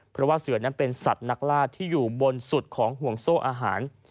เพราะว่าเสือนั้นเป็นสัตว์นักล่าที่อยู่บนสุดของห่วงโซ่อาหาร